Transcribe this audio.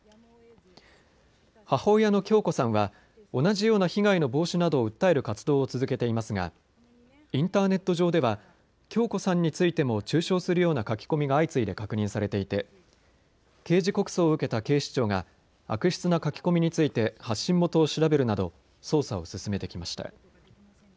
母親の響子さんは同じような被害の防止などを訴える活動を続けていますがインターネット上では響子さんについても中傷するような書き込みが相次いで確認されていて刑事告訴を受けた警視庁が悪質な書き込みについて発信元を調べるなど捜査を進めてきました。